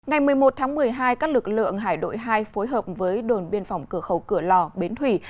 ngày một mươi một tháng một mươi hai các lực lượng hải đội hai phối hợp với đồn biên phòng cửa khẩu cửa lò bến thủy